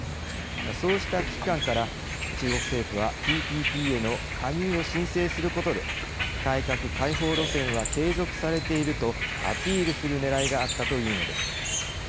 そうした危機感から中国政府はＴＰＰへの加入を申請することで改革開放路線は継続されているとアピールするねらいがあったというのです。